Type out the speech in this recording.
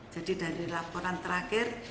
jadi dari laporan terakhir